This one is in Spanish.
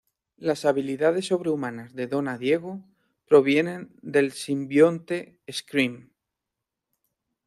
Las habilidades sobrehumanas de Donna Diego provienen del simbionte Scream.